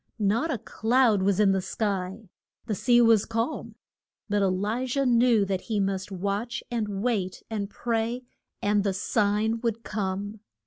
Not a cloud was in the sky. The sea was calm. But E li jah knew that he must watch, and wait, and pray, and the sign would come.